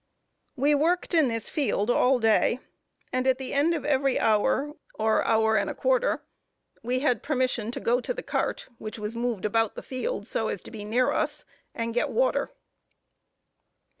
We worked in this field all day; and at the end of every hour, or hour and a quarter, we had permission to go to the cart, which was moved about the field, so as to be near us, and get water.